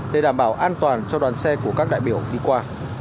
để đảm bảo an toàn cho đoàn xe của các đại biểu đi qua